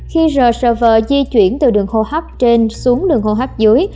khi rsv di chuyển từ đường hô hấp trên xuống đường hô hấp dưới